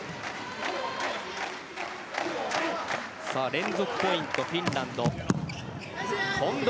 連続ポイント、フィンランド。